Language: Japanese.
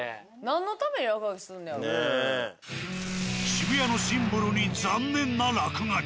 渋谷のシンボルに残念な落書き。